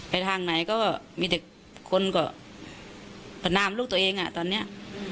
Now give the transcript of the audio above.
ทางไหนก็มีแต่คนก็ประนามลูกตัวเองอ่ะตอนนี้